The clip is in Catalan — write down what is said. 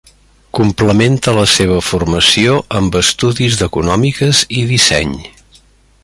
Complementa la seva formació amb estudis d'econòmiques i disseny.